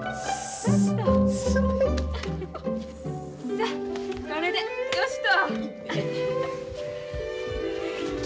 さあこれでよしと。